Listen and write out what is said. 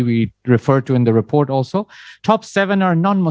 dan kami juga mengatakan dalam laporan ini